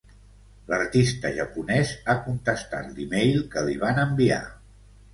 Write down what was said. L'artista japonès ha contestat l'email que li van enviar.